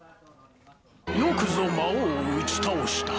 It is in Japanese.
よくぞ魔王を打ち倒した。